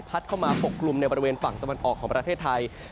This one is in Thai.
เข้ามาปกกลุ่มในบริเวณฝั่งตะวันออกของประเทศไทย